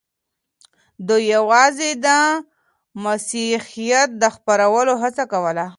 دوی یوازې د مسیحیت د خپرولو هڅه کوله.